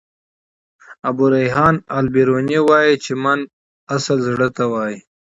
ابو ریحان البروني وايي چي: "من" اصلاً زړه ته وايي.